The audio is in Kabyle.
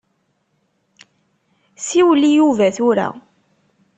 Siwel i Yuba tura.